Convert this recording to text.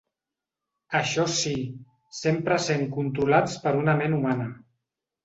Això sí, sempre essent controlats per una ment humana.